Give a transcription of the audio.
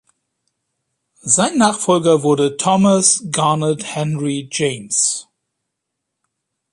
Sein Nachfolger wurde Thomas Garnet Henry James.